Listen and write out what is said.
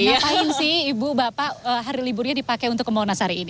ngapain sih ibu bapak hari liburnya dipakai untuk ke monas hari ini